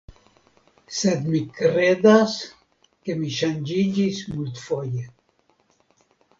Sed mi kredas ke mi ŝanĝiĝis multfoje.